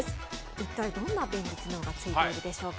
一体どんな便利機能がついているでしょうか？